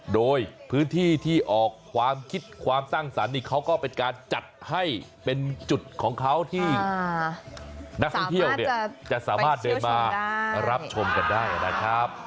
โดยพื้นที่ที่ออกความคิดความสร้างสรรค์นี่เขาก็เป็นการจัดให้เป็นจุดของเขาที่นักท่องเที่ยวเนี่ยจะสามารถเดินมารับชมกันได้นะครับ